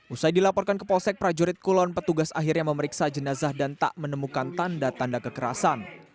usai dilaporkan ke polsek prajurit kulon petugas akhirnya memeriksa jenazah dan tak menemukan tanda tanda kekerasan